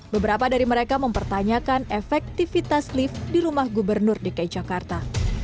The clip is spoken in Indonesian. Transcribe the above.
beberapa dari mereka mempertanyakan efektivitas lift di rumah gubernur dki jakarta